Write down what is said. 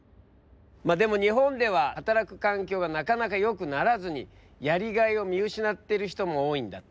まあでも日本では働く環境がなかなかよくならずにやりがいを見失ってる人も多いんだって。